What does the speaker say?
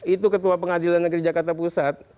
itu ketua pengadilan negeri jakarta pusat